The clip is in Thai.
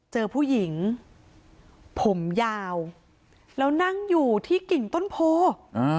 เจอผู้หญิงผมยาวแล้วนั่งอยู่ที่กิ่งต้นโพอ่า